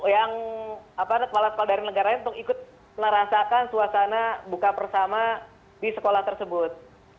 yang kepala kepala dari negara lain untuk ikut merasakan suasana buka bersama di sekolah tersebut